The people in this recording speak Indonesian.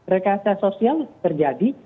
recahase sosial terjadi